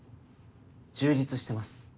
充実してます。